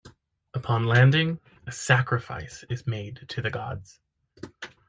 Upon landing, a sacrifice is made to the gods.